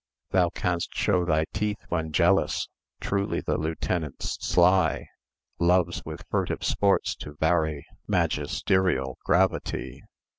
Thou canst show thy teeth when jealous; Truly the lieutenant's sly; Loves with furtive sports to vary Magisterial gravity.